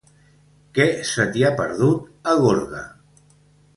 Què se t'hi ha perdut, a Gorga?